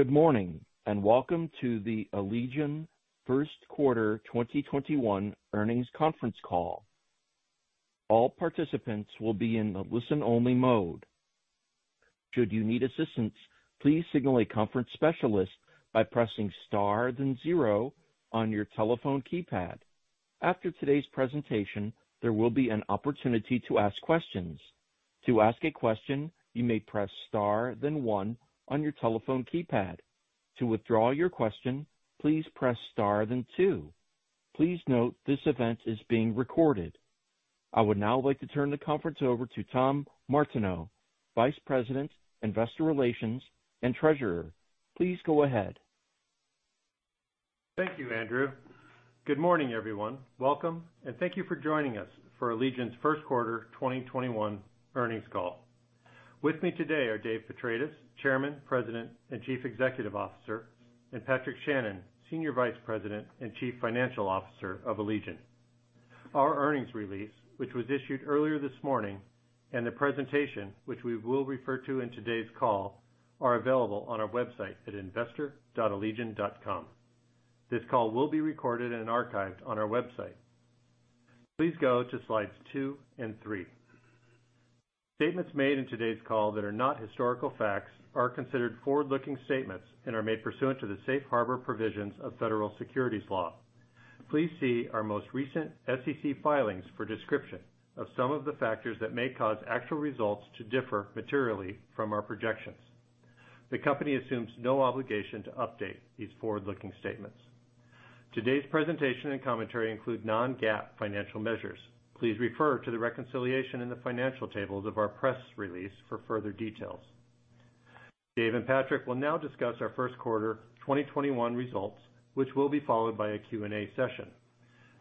Good morning, and welcome to the Allegion first quarter 2021 earnings conference call. All participants will be in the listen-only mode. Should you need assistance, please signal a conference specialist by pressing star then zero on your telephone keypad. After today's presentation, there will be an opportunity to ask questions. To ask a question, you may press star then one on your telephone keypad. To withdraw your question, please press star then two. Please note this event is being recorded. I would now like to turn the conference over to Tom Martineau, Vice President, Investor Relations, and Treasurer. Please go ahead. Thank you, Andrew. Good morning, everyone. Welcome, and thank you for joining us for Allegion's first quarter 2021 earnings call. With me today are David Petratis, Chairman, President, and Chief Executive Officer, and Patrick Shannon, Senior Vice President and Chief Financial Officer of Allegion. Our earnings release, which was issued earlier this morning, and the presentation, which we will refer to in today's call, are available on our website at investor.allegion.com. This call will be recorded and archived on our website. Please go to slides two and three. Statements made in today's call that are not historical facts are considered forward-looking statements and are made pursuant to the safe harbor provisions of federal securities law. Please see our most recent SEC filings for description of some of the factors that may cause actual results to differ materially from our projections. The company assumes no obligation to update these forward-looking statements. Today's presentation and commentary include non-GAAP financial measures. Please refer to the reconciliation in the financial tables of our press release for further details. David Petratis and Patrick Shannon will now discuss our first quarter 2021 results, which will be followed by a Q&A session.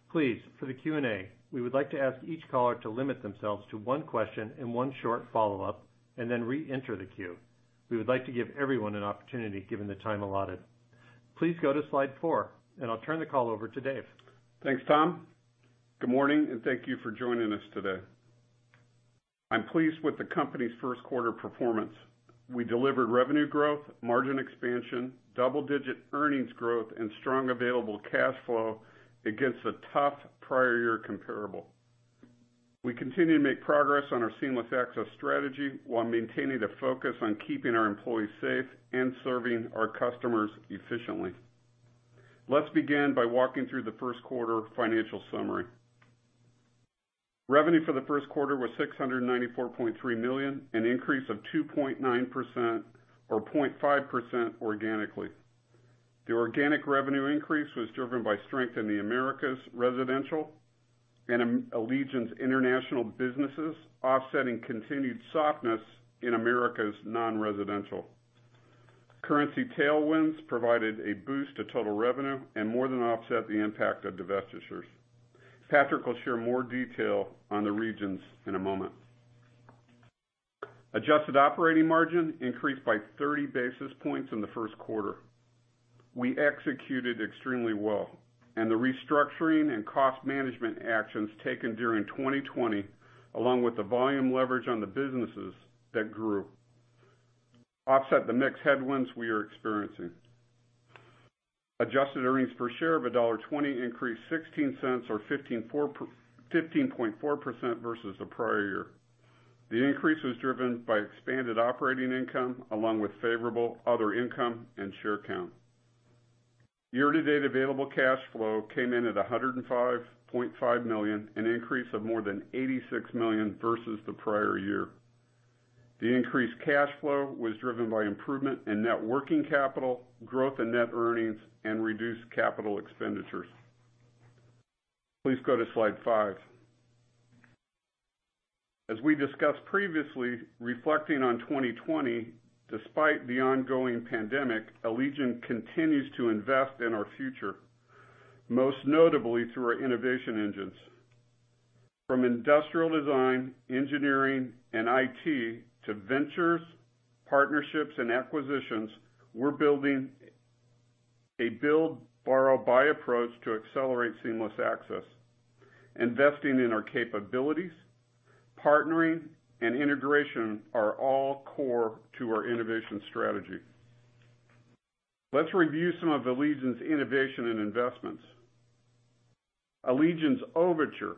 Please, for the Q&A, we would like to ask each caller to limit themselves to one question and one short follow-up, and then reenter the queue. We would like to give everyone an opportunity given the time allotted. Please go to slide four, and I'll turn the call over to Dave. Thanks, Tom. Good morning, thank you for joining us today. I'm pleased with the company's first quarter performance. We delivered revenue growth, margin expansion, double-digit earnings growth, and strong available cash flow against a tough prior year comparable. We continue to make progress on our seamless access strategy while maintaining a focus on keeping our employees safe and serving our customers efficiently. Let's begin by walking through the first quarter financial summary. Revenue for the first quarter was $694.3 million, an increase of 2.9% or 0.5% organically. The organic revenue increase was driven by strength in the Americas residential and Allegion International businesses offsetting continued softness in Americas non-residential. Currency tailwinds provided a boost to total revenue and more than offset the impact of divestitures. Patrick will share more detail on the regions in a moment. Adjusted operating margin increased by 30 basis points in the first quarter. We executed extremely well. The restructuring and cost management actions taken during 2020, along with the volume leverage on the businesses that grew offset the mix headwinds we are experiencing. Adjusted earnings per share of $1.20 increased $0.16 or 15.4% versus the prior year. The increase was driven by expanded operating income along with favorable other income and share count. Year-to-date available cash flow came in at $105.5 million, an increase of more than $86 million versus the prior year. The increased cash flow was driven by improvement in net working capital, growth in net earnings, and reduced capital expenditures. Please go to slide five. As we discussed previously, reflecting on 2020, despite the ongoing pandemic, Allegion continues to invest in our future, most notably through our innovation engines. From industrial design, engineering, and IT to ventures, partnerships, and acquisitions, we're building a build, borrow, buy approach to accelerate seamless access. Investing in our capabilities, partnering, and integration are all core to our innovation strategy. Let's review some of Allegion's innovation and investments. Allegion's Overtur,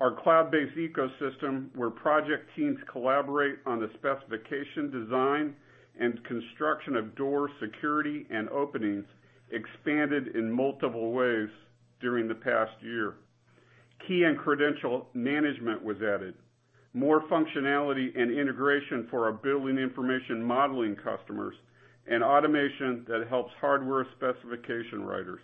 our cloud-based ecosystem where project teams collaborate on the specification design and construction of door security and openings expanded in multiple ways during the past year. Key and credential management was added, more functionality and integration for our building information modeling customers, and automation that helps hardware specification writers.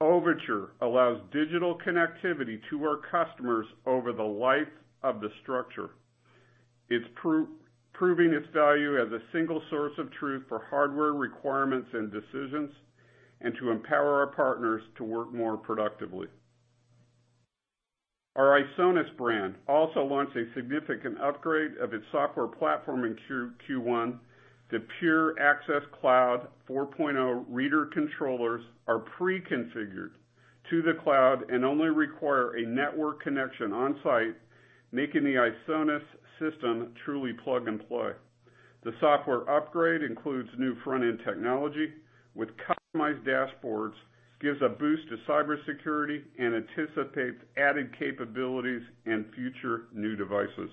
Overtur allows digital connectivity to our customers over the life of the structure. It's proving its value as a single source of truth for hardware requirements and decisions and to empower our partners to work more productively. Our ISONAS brand also launched a significant upgrade of its software platform in Q1. The Pure Access Cloud 4.0 reader controllers are pre-configured to the cloud and only require a network connection on-site, making the ISONAS system truly plug and play. The software upgrade includes new front-end technology with customized dashboards, gives a boost to cybersecurity, and anticipates added capabilities in future new devices.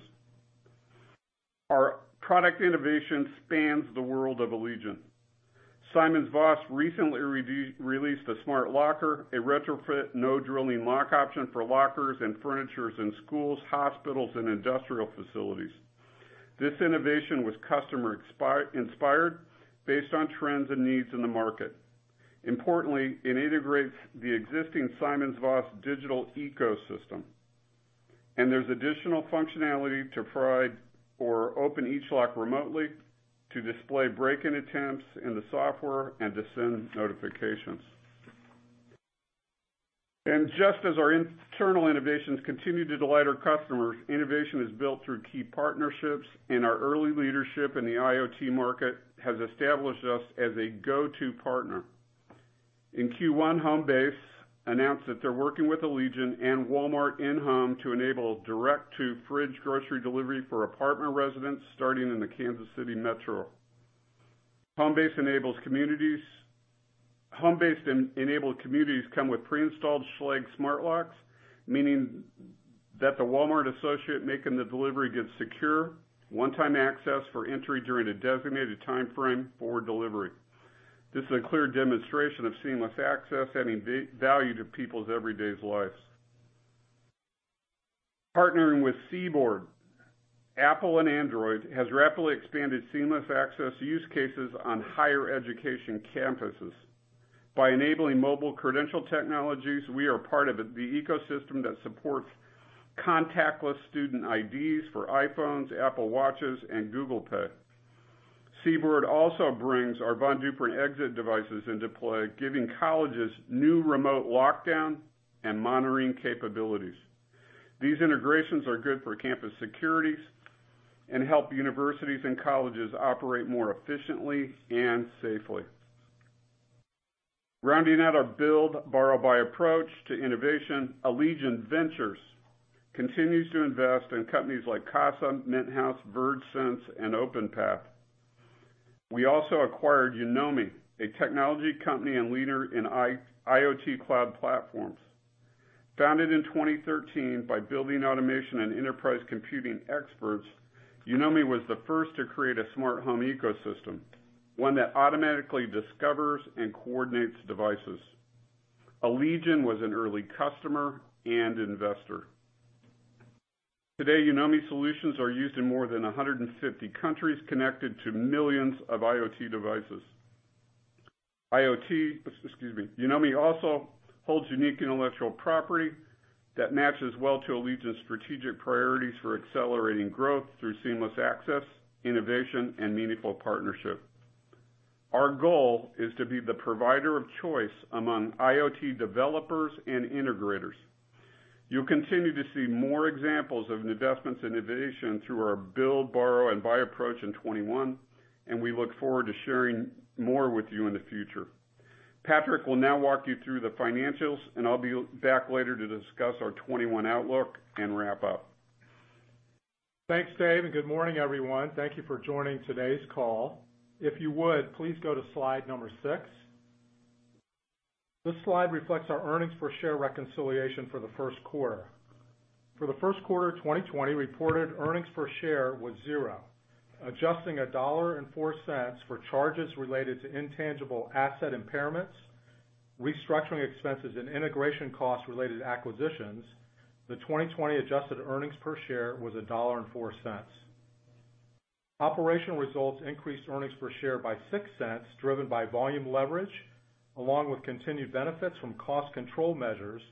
Our product innovation spans the world of Allegion. SimonsVoss recently released a smart locker, a retrofit, no-drilling lock option for lockers and furnitures in schools, hospitals, and industrial facilities. This innovation was customer-inspired based on trends and needs in the market. It integrates the existing SimonsVoss digital ecosystem, there's additional functionality to pry or open each lock remotely, to display break-in attempts in the software, and to send notifications. Just as our internal innovations continue to delight our customers, innovation is built through key partnerships, our early leadership in the IoT market has established us as a go-to partner. In Q1, Homebase announced that they're working with Allegion and Walmart InHome to enable direct-to-fridge grocery delivery for apartment residents starting in the Kansas City Metro. Homebase-enabled communities come with pre-installed Schlage smart locks, meaning that the Walmart associate making the delivery gets secure, one-time access for entry during a designated timeframe for delivery. This is a clear demonstration of seamless access adding value to people's everyday lives. Partnering with CBORD, Apple and Android has rapidly expanded seamless access use cases on higher education campuses. By enabling mobile credential technologies, we are part of the ecosystem that supports contactless student IDs for iPhones, Apple Watches, and Google Pay. CBORD also brings our Von Duprin exit devices into play, giving colleges new remote lockdown and monitoring capabilities. These integrations are good for campus securities and help universities and colleges operate more efficiently and safely. Rounding out our build, borrow, buy approach to innovation, Allegion Ventures continues to invest in companies like Kasa Living, Mint House, VergeSense, and Openpath. We also acquired Yonomi, a technology company and leader in IoT cloud platforms. Founded in 2013 by building automation and enterprise computing experts, Yonomi was the first to create a smart home ecosystem, one that automatically discovers and coordinates devices. Allegion was an early customer and investor. Today, Yonomi solutions are used in more than 150 countries, connected to millions of IoT devices. Excuse me. Yonomi also holds unique intellectual property that matches well to Allegion's strategic priorities for accelerating growth through seamless access, innovation, and meaningful partnership. Our goal is to be the provider of choice among IoT developers and integrators. You'll continue to see more examples of investments in innovation through our build, borrow, and buy approach in 2021, and we look forward to sharing more with you in the future. Patrick will now walk you through the financials, and I'll be back later to discuss our 2021 outlook and wrap up. Thanks, Dave, and good morning, everyone. Thank you for joining today's call. If you would, please go to slide number six. This slide reflects our earnings per share reconciliation for the first quarter. For the first quarter of 2020, reported earnings per share was $0. Adjusting $1.04 for charges related to intangible asset impairments, restructuring expenses and integration costs related to acquisitions, the 2020 adjusted earnings per share was $1.04. Operational results increased earnings per share by $0.06, driven by volume leverage, along with continued benefits from cost control measures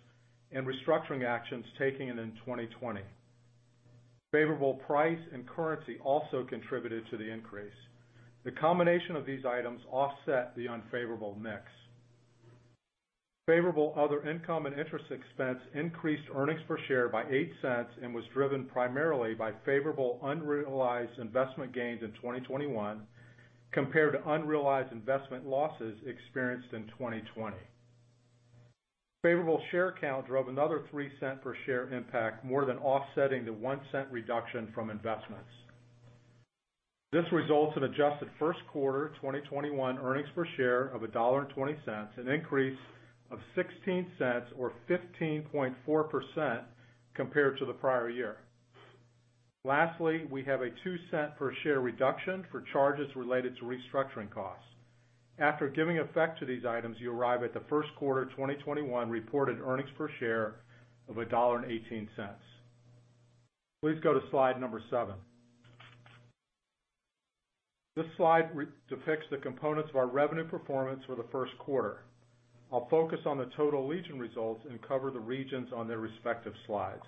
and restructuring actions taken in 2020. Favorable price and currency also contributed to the increase. The combination of these items offset the unfavorable mix. Favorable other income and interest expense increased earnings per share by $0.08 and was driven primarily by favorable unrealized investment gains in 2021 compared to unrealized investment losses experienced in 2020. Favorable share count drove another $0.03 per share impact, more than offsetting the $0.01 reduction from investments. This results in adjusted first quarter 2021 earnings per share of $1.20, an increase of $0.16 or 15.4% compared to the prior year. Lastly, we have a $0.02 per share reduction for charges related to restructuring costs. After giving effect to these items, you arrive at the first quarter 2021 reported earnings per share of $1.18. Please go to slide number seven. This slide depicts the components of our revenue performance for the first quarter. I'll focus on the total Allegion results and cover the regions on their respective slides.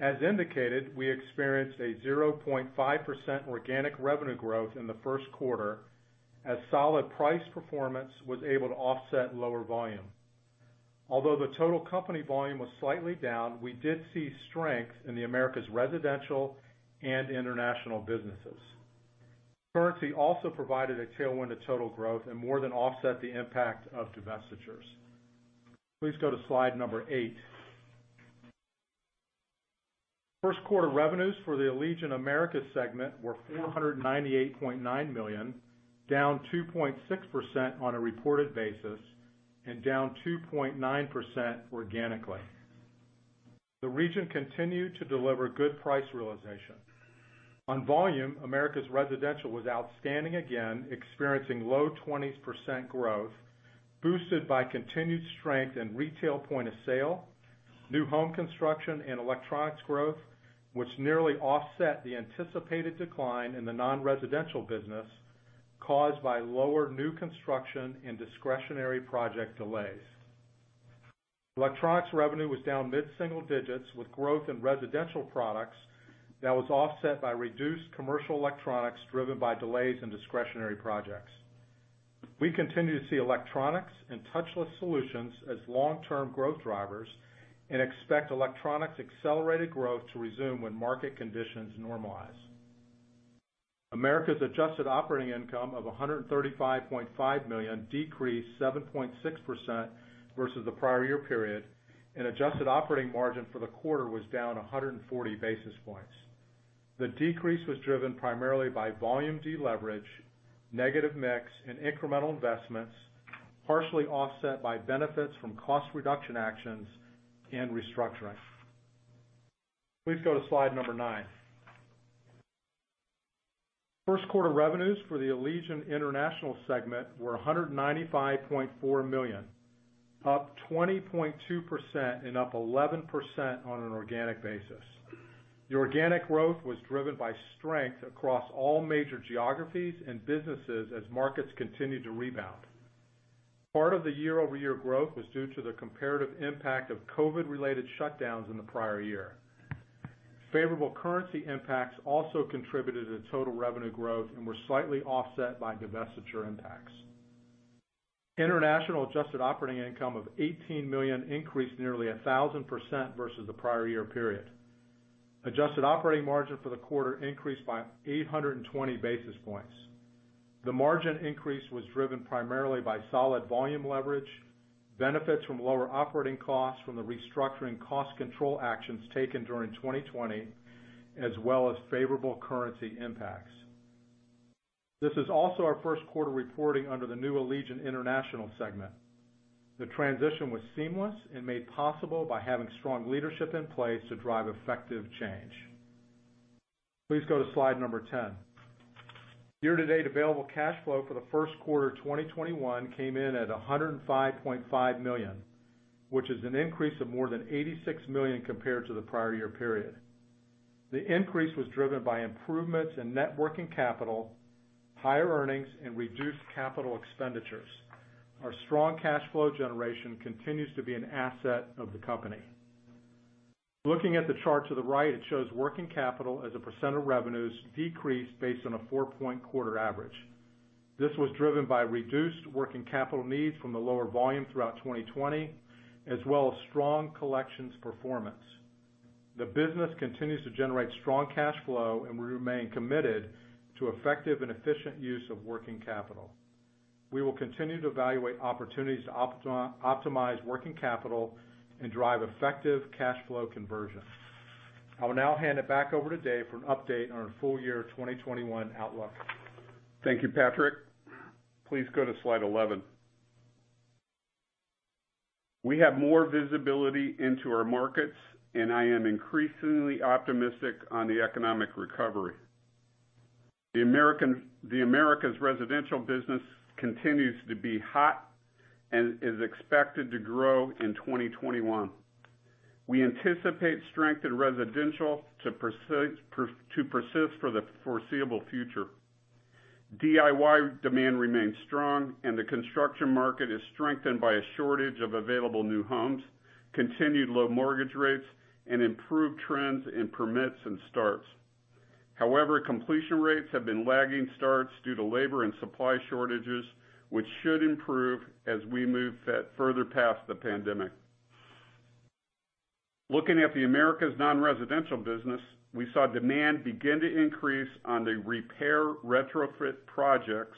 As indicated, we experienced a 0.5% organic revenue growth in the first quarter as solid price performance was able to offset lower volume. Although the total company volume was slightly down, we did see strength in the Americas residential and International businesses. Currency also provided a tailwind to total growth and more than offset the impact of divestitures. Please go to slide number eight. First quarter revenues for the Allegion Americas segment were $498.9 million, down 2.6% on a reported basis, and down 2.9% organically. The region continued to deliver good price realization. On volume, Americas residential was outstanding again, experiencing low 20% growth, boosted by continued strength in retail point of sale, new home construction and electronics growth, which nearly offset the anticipated decline in the non-residential business caused by lower new construction and discretionary project delays. Electronics revenue was down mid-single digits with growth in residential products that was offset by reduced commercial electronics driven by delays in discretionary projects. We continue to see electronics and touchless solutions as long-term growth drivers and expect electronics accelerated growth to resume when market conditions normalize. Americas adjusted operating income of $135.5 million decreased 7.6% versus the prior year period, and adjusted operating margin for the quarter was down 140 basis points. The decrease was driven primarily by volume deleverage, negative mix, and incremental investments, partially offset by benefits from cost reduction actions and restructuring. Please go to slide number nine. First quarter revenues for the Allegion International segment were $195.4 million, up 20.2% and up 11% on an organic basis. The organic growth was driven by strength across all major geographies and businesses as markets continued to rebound. Part of the year-over-year growth was due to the comparative impact of COVID-related shutdowns in the prior year. Favorable currency impacts also contributed to total revenue growth and were slightly offset by divestiture impacts. International adjusted operating income of $18 million increased nearly 1,000% versus the prior year period. Adjusted operating margin for the quarter increased by 820 basis points. The margin increase was driven primarily by solid volume leverage, benefits from lower operating costs from the restructuring cost control actions taken during 2020, as well as favorable currency impacts. This is also our first quarter reporting under the new Allegion International segment. The transition was seamless and made possible by having strong leadership in place to drive effective change. Please go to slide number 10. Year-to-date available cash flow for the first quarter 2021 came in at $105.5 million, which is an increase of more than $86 million compared to the prior year period. The increase was driven by improvements in net working capital, higher earnings, and reduced capital expenditures. Our strong cash flow generation continues to be an asset of the company. Looking at the chart to the right, it shows working capital as a percent of revenues decreased based on a four-point quarter average. This was driven by reduced working capital needs from the lower volume throughout 2020, as well as strong collections performance. The business continues to generate strong cash flow, and we remain committed to effective and efficient use of working capital. We will continue to evaluate opportunities to optimize working capital and drive effective cash flow conversion. I will now hand it back over to Dave for an update on our full year 2021 outlook. Thank you, Patrick. Please go to slide 11. We have more visibility into our markets, and I am increasingly optimistic on the economic recovery. The Americas residential business continues to be hot and is expected to grow in 2021. We anticipate strength in residential to persist for the foreseeable future. DIY demand remains strong, and the construction market is strengthened by a shortage of available new homes, continued low mortgage rates, and improved trends in permits and starts. However, completion rates have been lagging starts due to labor and supply shortages, which should improve as we move further past the pandemic. Looking at the Americas non-residential business, we saw demand begin to increase on the repair retrofit projects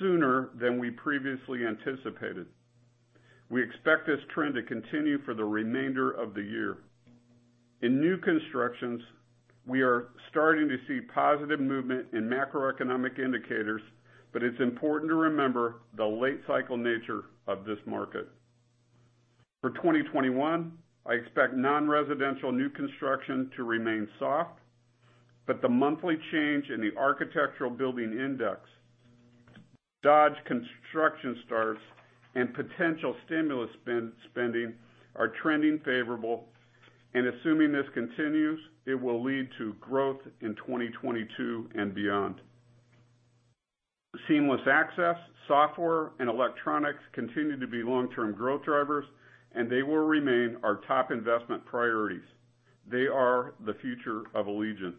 sooner than we previously anticipated. We expect this trend to continue for the remainder of the year. In new constructions, we are starting to see positive movement in macroeconomic indicators. It's important to remember the late cycle nature of this market. For 2021, I expect non-residential new construction to remain soft. The monthly change in the Architectural Billings Index, Dodge construction starts, and potential stimulus spending are trending favorable. Assuming this continues, it will lead to growth in 2022 and beyond. Seamless Access, software, and electronics continue to be long-term growth drivers. They will remain our top investment priorities. They are the future of Allegion.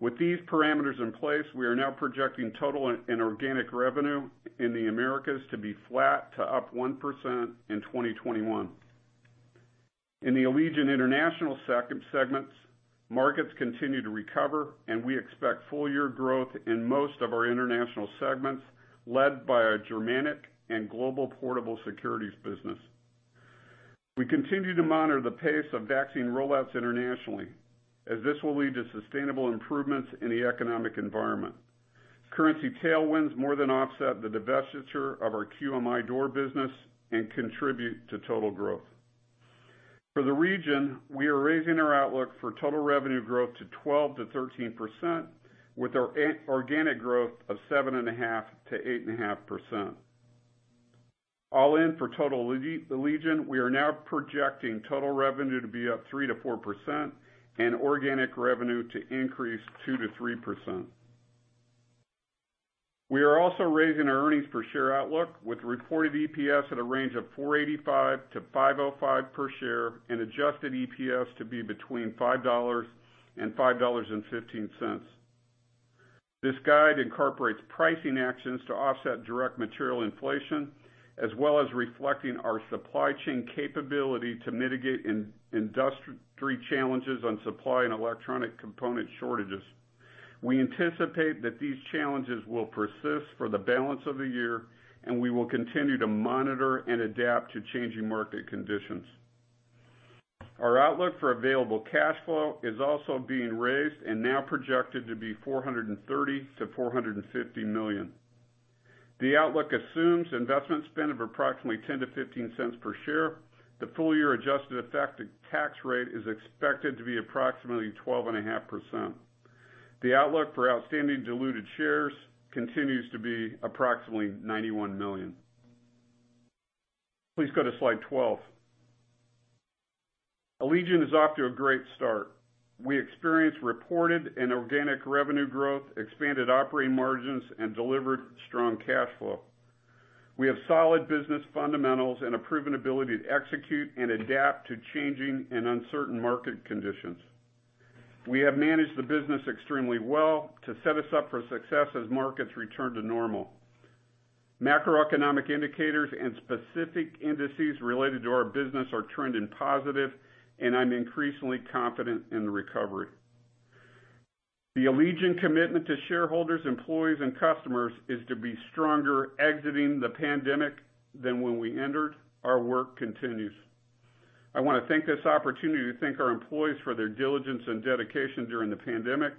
With these parameters in place, we are now projecting total and organic revenue in Allegion Americas to be flat to up 1% in 2021. In the Allegion International segments, markets continue to recover. We expect full-year growth in most of our International segments, led by our Germanic and Global Portable Security business. We continue to monitor the pace of vaccine rollouts internationally, as this will lead to sustainable improvements in the economic environment. Currency tailwinds more than offset the divestiture of our QMI Door business and contribute to total growth. For the region, we are raising our outlook for total revenue growth to 12%-13%, with our organic growth of 7.5%-8.5%. All in for total Allegion, we are now projecting total revenue to be up 3%-4% and organic revenue to increase 2%-3%. We are also raising our earnings per share outlook with reported EPS at a range of $4.85-$5.05 per share and adjusted EPS to be between $5 and $5.15. This guide incorporates pricing actions to offset direct material inflation, as well as reflecting our supply chain capability to mitigate industry challenges on supply and electronic component shortages. We anticipate that these challenges will persist for the balance of the year, and we will continue to monitor and adapt to changing market conditions. Our outlook for available cash flow is also being raised and now projected to be $430 million-$450 million. The outlook assumes investment spend of approximately $0.10-$0.15 per share. The full-year adjusted effective tax rate is expected to be approximately 12.5%. The outlook for outstanding diluted shares continues to be approximately 91 million. Please go to slide 12. Allegion is off to a great start. We experienced reported and organic revenue growth, expanded operating margins, and delivered strong cash flow. We have solid business fundamentals and a proven ability to execute and adapt to changing and uncertain market conditions. We have managed the business extremely well to set us up for success as markets return to normal. Macroeconomic indicators and specific indices related to our business are trending positive, and I'm increasingly confident in the recovery. The Allegion commitment to shareholders, employees, and customers is to be stronger exiting the pandemic than when we entered. Our work continues. I want to take this opportunity to thank our employees for their diligence and dedication during the pandemic.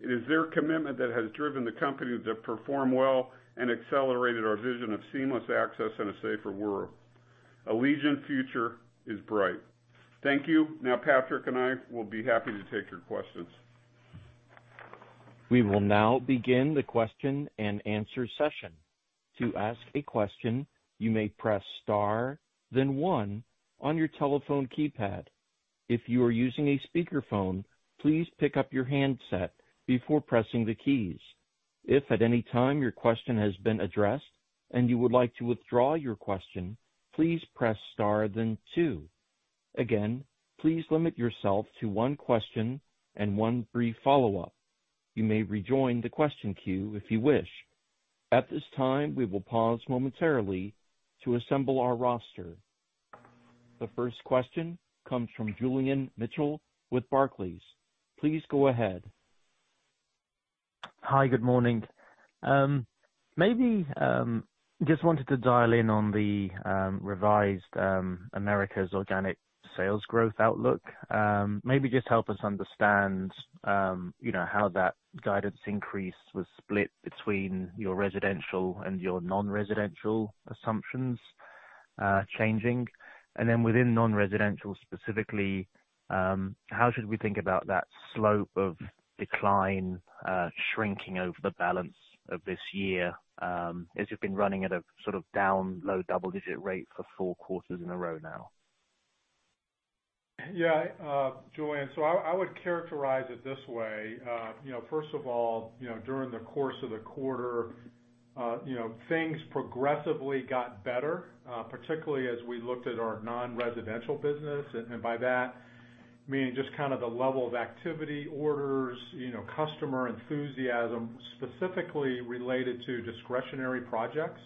It is their commitment that has driven the company to perform well and accelerated our vision of seamless access and a safer world. Allegion future is bright. Thank you. Patrick and I will be happy to take your questions. We will now begin the question and answer session. To ask a question, you may press star then one on your telephone keypad. If you are using a speakerphone, please pick up your handset before pressing the keys. If at any time your question has been addressed and you would like to withdraw your question, please press star then two. Again, please limit yourself to one question and one brief follow-up. You may rejoin the question queue if you wish. At this time, we will pause momentarily to assemble our roster. The first question comes from Julian Mitchell with Barclays. Please go ahead. Hi, good morning. Maybe just wanted to dial in on the revised Americas organic sales growth outlook. Maybe just help us understand how that guidance increase was split between your residential and your non-residential assumptions changing. Within non-residential specifically, how should we think about that slope of decline shrinking over the balance of this year, as you've been running at a sort of down low double-digit rate for four quarters in a row now? Julian. I would characterize it this way. First of all, during the course of the quarter, things progressively got better, particularly as we looked at our non-residential business. By that, meaning just kind of the level of activity orders, customer enthusiasm, specifically related to discretionary projects.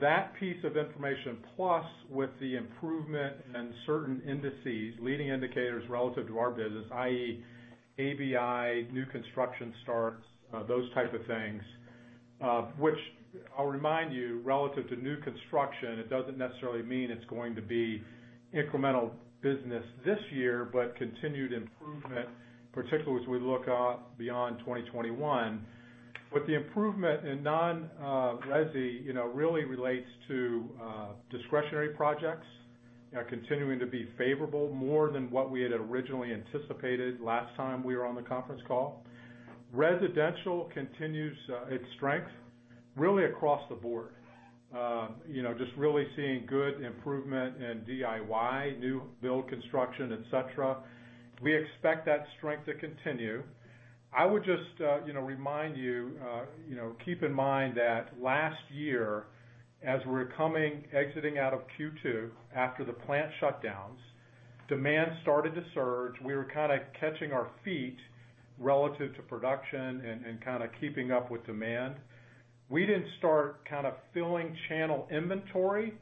That piece of information, plus with the improvement in certain indices, leading indicators relative to our business, i.e., ABI, new construction starts, those type of things. I'll remind you, relative to new construction, it doesn't necessarily mean it's going to be incremental business this year, but continued improvement, particularly as we look out beyond 2021. The improvement in non-resi really relates to discretionary projects continuing to be favorable more than what we had originally anticipated last time we were on the conference call. Residential continues its strength really across the board. Just really seeing good improvement in DIY, new build construction, et cetera. We expect that strength to continue. I would just remind you, keep in mind that last year, as we were exiting out of Q2 after the plant shutdowns Demand started to surge. We were kind of catching our feet relative to production and keeping up with demand. We didn't start filling channel inventory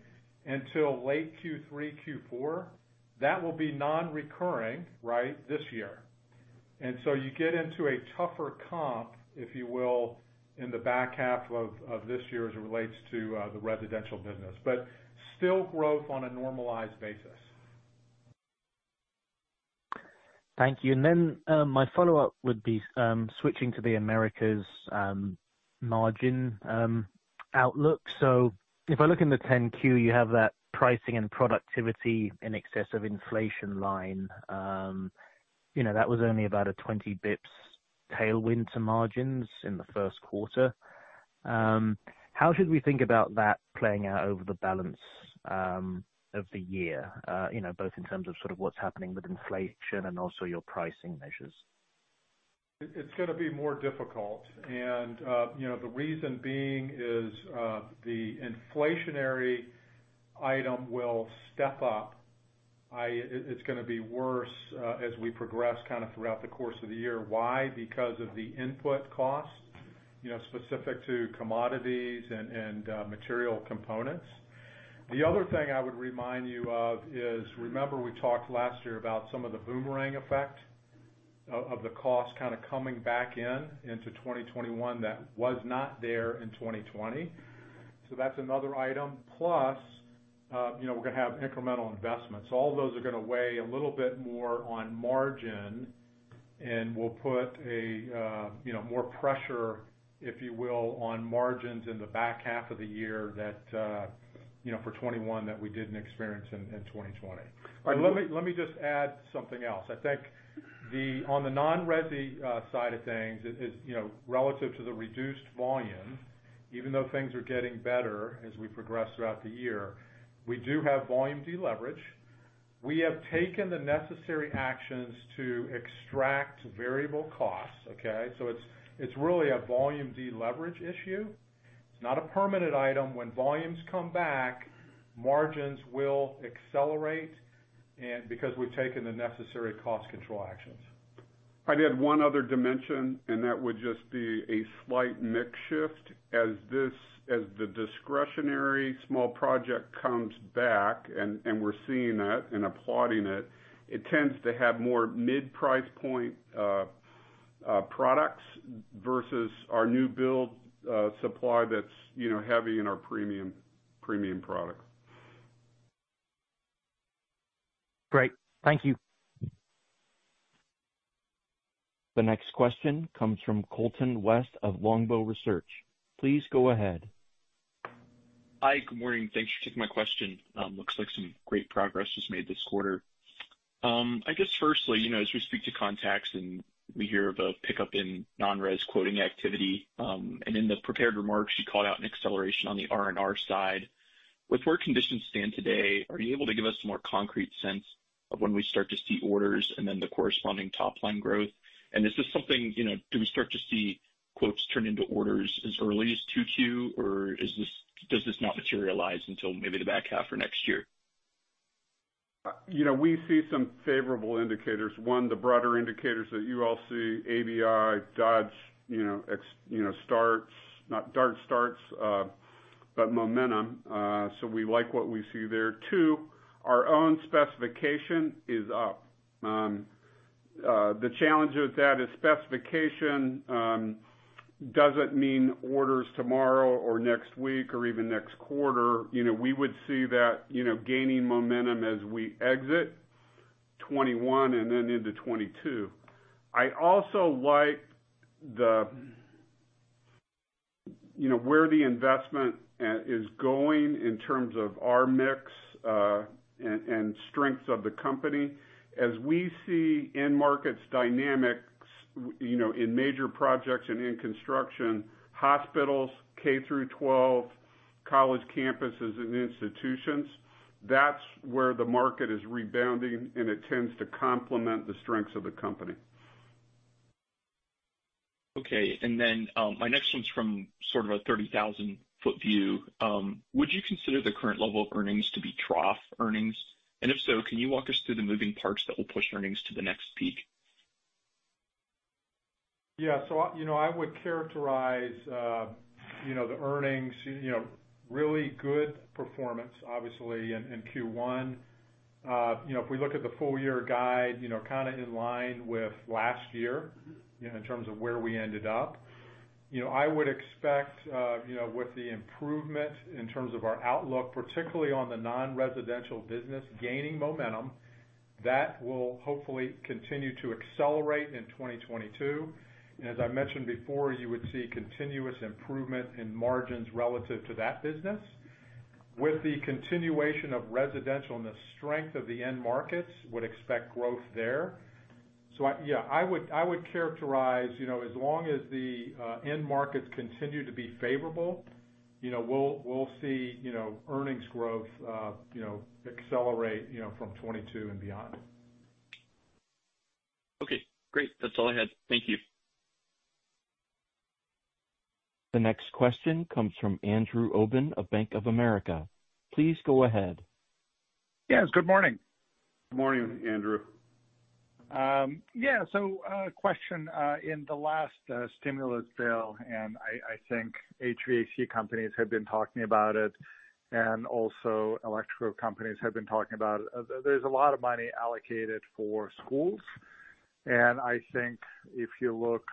until late Q3, Q4. That will be non-recurring this year. You get into a tougher comp, if you will, in the back half of this year as it relates to the residential business. Still growth on a normalized basis. Thank you. My follow-up would be switching to the Americas margin outlook. If I look in the 10-Q, you have that pricing and productivity in excess of inflation line. That was only about a 20 basis points tailwind to margins in the first quarter. How should we think about that playing out over the balance of the year both in terms of sort of what's happening with inflation and also your pricing measures? It's going to be more difficult. The reason being is the inflationary item will step up. It's going to be worse as we progress kind of throughout the course of the year. Why? Because of the input cost specific to commodities and material components. The other thing I would remind you of is, remember we talked last year about some of the boomerang effect of the cost kind of coming back in into 2021 that was not there in 2020. That's another item. Plus we're going to have incremental investments. All those are going to weigh a little bit more on margin and will put more pressure, if you will, on margins in the back half of the year for 2021 that we didn't experience in 2020. Let me just add something else. I think on the non-resi side of things, relative to the reduced volume, even though things are getting better as we progress throughout the year, we do have volume deleverage. We have taken the necessary actions to extract variable costs. Okay. It's really a volume deleverage issue. It's not a permanent item. When volumes come back, margins will accelerate because we've taken the necessary cost control actions. I'd add one other dimension, and that would just be a slight mix shift. As the discretionary small project comes back, and we're seeing that and applauding it tends to have more mid-price point products versus our new build supply that's heavy in our premium product. Great. Thank you. The next question comes from Colton West of Longbow Research. Please go ahead. Hi. Good morning. Thanks for taking my question. Looks like some great progress just made this quarter. I guess firstly, as we speak to contacts and we hear of a pickup in non-res quoting activity, and in the prepared remarks, you called out an acceleration on the R&R side. With where conditions stand today, are you able to give us a more concrete sense of when we start to see orders and then the corresponding top-line growth? Do we start to see quotes turn into orders as early as 2Q or does this not materialize until maybe the back half or next year? We see some favorable indicators. The broader indicators that you all see, ABI, Dodge starts, but momentum. We like what we see there. Our own specification is up. The challenge with that is specification doesn't mean orders tomorrow or next week or even next quarter. We would see that gaining momentum as we exit 2021 and into 2022. I also like where the investment is going in terms of our mix and strengths of the company. As we see end markets dynamics in major projects and in construction, hospitals, K through 12, college campuses, and institutions, that's where the market is rebounding, and it tends to complement the strengths of the company. Okay. My next one's from sort of a 30,000-foot view. Would you consider the current level of earnings to be trough earnings? If so, can you walk us through the moving parts that will push earnings to the next peak? Yeah. I would characterize the earnings, really good performance, obviously, in Q1. If we look at the full-year guide, kind of in line with last year in terms of where we ended up. I would expect with the improvement in terms of our outlook, particularly on the non-residential business gaining momentum, that will hopefully continue to accelerate in 2022. As I mentioned before, you would see continuous improvement in margins relative to that business. With the continuation of residential and the strength of the end markets, would expect growth there. Yeah, I would characterize as long as the end markets continue to be favorable, we'll see earnings growth accelerate from 2022 and beyond. Okay, great. That's all I had. Thank you. The next question comes from Andrew Obin of Bank of America. Please go ahead. Yes, good morning. Good morning, Andrew. Yeah. Question, in the last stimulus bill, I think HVAC companies have been talking about it, also electrical companies have been talking about it. There's a lot of money allocated for schools. I think if you look,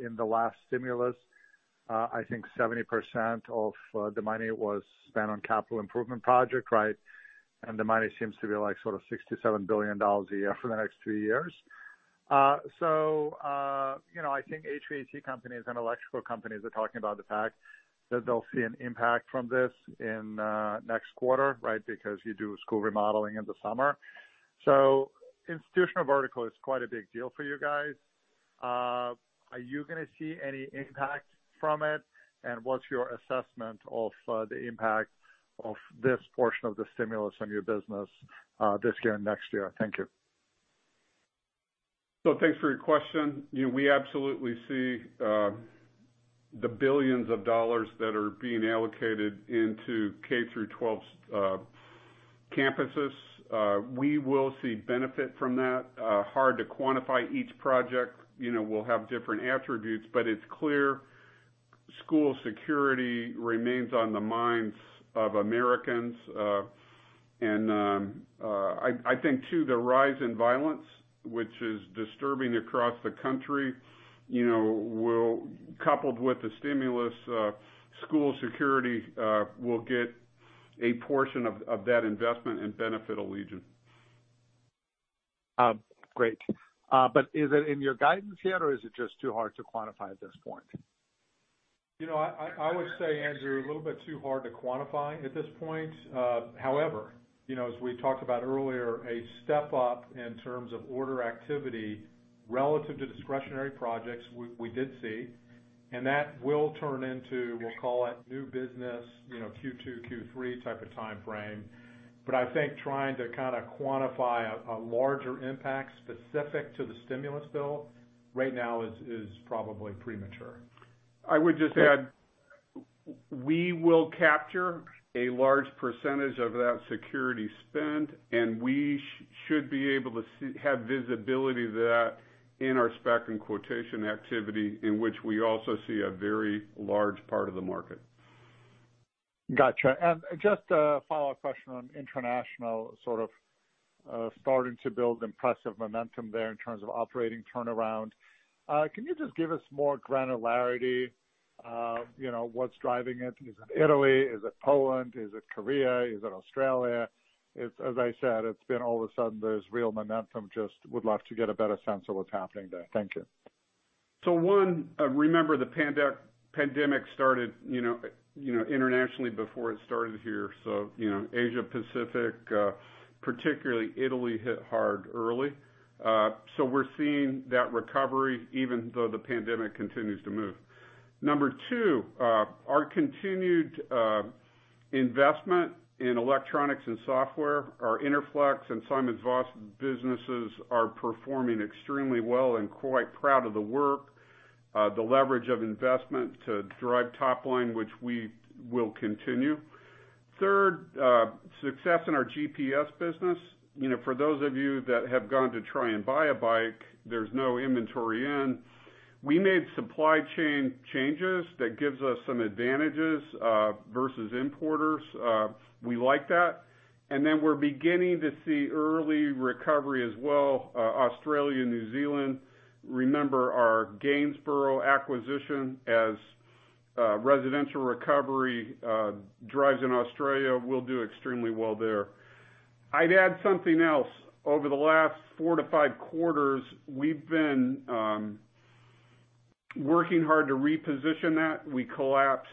in the last stimulus, I think 70% of the money was spent on capital improvement project, right? The money seems to be $67 billion a year for the next two years. I think HVAC companies and electrical companies are talking about the fact that they'll see an impact from this in next quarter, right? Because you do school remodeling in the summer. Institutional vertical is quite a big deal for you guys. Are you going to see any impact from it? What's your assessment of the impact of this portion of the stimulus on your business, this year and next year? Thank you. Thanks for your question. We absolutely see the $ billions that are being allocated into K through 12 campuses. We will see benefit from that. Hard to quantify each project, we'll have different attributes, but it's clear, school security remains on the minds of Americans. I think too, the rise in violence, which is disturbing across the country, coupled with the stimulus, school security will get a portion of that investment and benefit Allegion. Great. Is it in your guidance yet, or is it just too hard to quantify at this point? I would say, Andrew, a little bit too hard to quantify at this point. However, as we talked about earlier, a step up in terms of order activity relative to discretionary projects, we did see, and that will turn into, we'll call it new business, Q2, Q3 type of timeframe. I think trying to quantify a larger impact specific to the stimulus bill right now is probably premature. I would just add, we will capture a large percentage of that security spend, and we should be able to have visibility to that in our spec and quotation activity in which we also see a very large part of the market. Got you. Just a follow-up question on Allegion International, sort of, starting to build impressive momentum there in terms of operating turnaround. Can you just give us more granularity, what's driving it? Is it Italy? Is it Poland? Is it Korea? Is it Australia? As I said, it's been all of a sudden there's real momentum. Just would love to get a better sense of what's happening there. Thank you. One, remember the pandemic started internationally before it started here. Asia-Pacific, particularly Italy hit hard early. We're seeing that recovery even though the pandemic continues to move. Number two, our continued investment in electronics and software, our Interflex and SimonsVoss businesses are performing extremely well and quite proud of the work, the leverage of investment to drive top line, which we will continue. Third, success in our GPS business. For those of you that have gone to try and buy a bike, there's no inventory in. We made supply chain changes that gives us some advantages, versus importers. We like that. Then we're beginning to see early recovery as well. Australia, New Zealand, remember our Gainsborough acquisition as residential recovery drives in Australia, we'll do extremely well there. I'd add something else. Over the last four to five quarters, we've been working hard to reposition that. We collapsed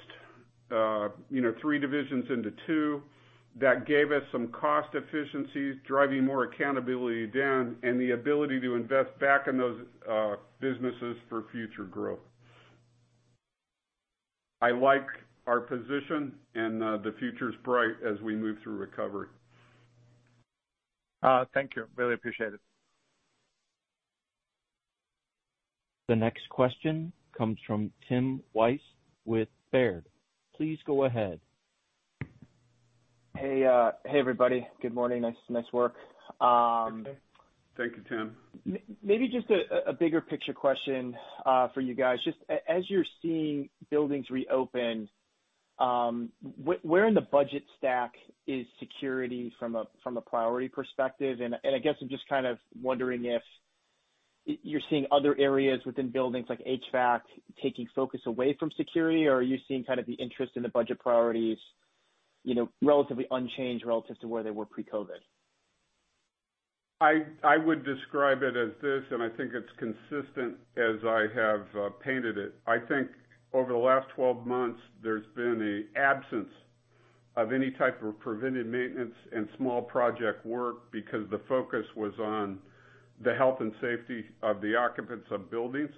three divisions into two. That gave us some cost efficiencies, driving more accountability down, and the ability to invest back in those businesses for future growth. I like our position and the future's bright as we move through recovery. Thank you. Really appreciate it. The next question comes from Timothy Wojs with Baird. Please go ahead. Hey, everybody. Good morning. Nice work. Thank you. Thank you, Tim. Maybe just a bigger picture question for you guys. Just as you're seeing buildings reopen, where in the budget stack is security from a priority perspective? I guess I'm just kind of wondering if you're seeing other areas within buildings like HVAC taking focus away from security, or are you seeing kind of the interest in the budget priorities relatively unchanged relative to where they were pre-COVID? I would describe it as this. I think it's consistent as I have painted it. I think over the last 12 months, there's been an absence of any type of preventive maintenance and small project work because the focus was on the health and safety of the occupants of buildings.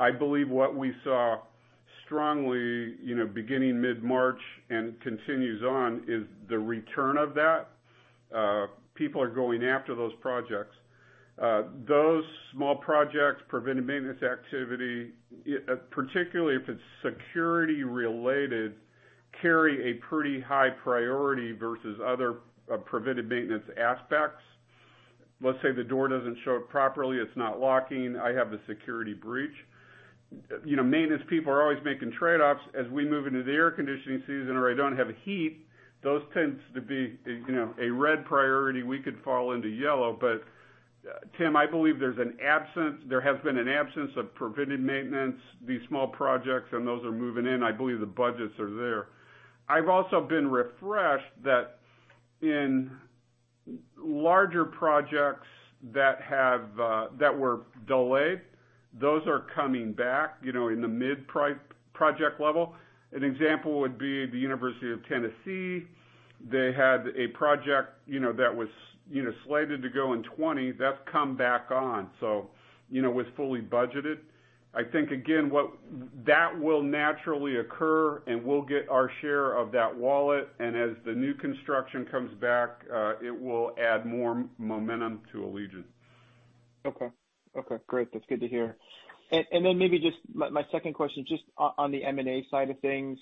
I believe what we saw strongly beginning mid-March and continues on, is the return of that. People are going after those projects. Those small projects, preventive maintenance activity, particularly if it's security related, carry a pretty high priority versus other preventive maintenance aspects. Let's say the door doesn't shut properly, it's not locking, I have a security breach. Maintenance people are always making trade-offs as we move into the air conditioning season or I don't have heat. Those tend to be a red priority. We could fall into yellow. Tim, I believe there has been an absence of preventive maintenance, these small projects, and those are moving in. I believe the budgets are there. I've also been refreshed that in larger projects that were delayed, those are coming back, in the mid-project level. An example would be the University of Tennessee. They had a project that was slated to go in 2020, that's come back on, so was fully budgeted. I think, again, that will naturally occur, and we'll get our share of that wallet. As the new construction comes back, it will add more momentum to Allegion. Okay. Great. That's good to hear. Maybe just my second question, just on the M&A side of things,